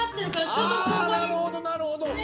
あなるほどなるほど。